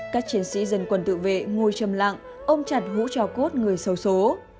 các chiến sĩ dân quân tự vệ ngồi châm lặng ôm chặt hũ trào cốt người xấu xố